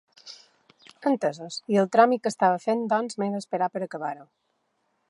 Entesos, i el tràmit que estava fent doncs m'he d'esperar per acabar-ho.